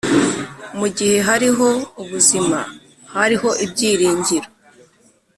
mugihe hariho ubuzima hariho ibyiringiro